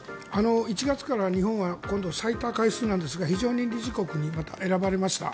１月から日本は今度、最多回数なんですが非常任理事国にまた選ばれました。